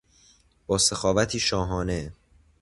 با سخاوتی شاهانه